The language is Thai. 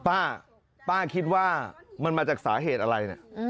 ป้าป้าคิดว่ามันมาจากสาเหตุอะไรเนี่ย